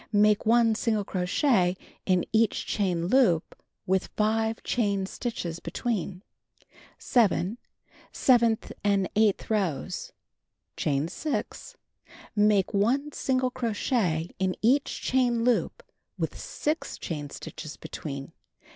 Make 1 single crochet in each chain loop, with 5 chain stitches between. 7. Seventh and eighth rows: Chain 6. Make 1 single crochet in each chain loop with 6 chain stitches between.